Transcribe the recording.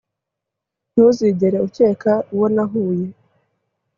Ntuzigera ukeka uwo nahuye